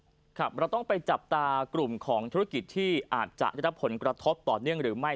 เราต้องไปจับตากลุ่มของธุรกิจที่อาจจะได้รับผลกระทบต่อเนื่องหรือไม่